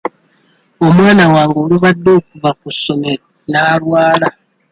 Omwana wange olubadde okuva ku ssomero n'alwala.